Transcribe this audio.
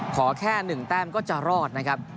ขอแค่๑แต้มก็จะรอดนะครับ